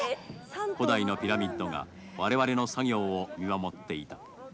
古代のピラミッドが我々の作業を見守っていた。